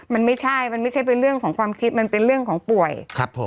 มันไม่ใช่มันไม่ใช่เป็นเรื่องของความคิดมันเป็นเรื่องของป่วยครับผม